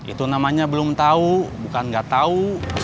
itu namanya belum tau bukan gak tau